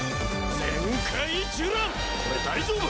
これ大丈夫？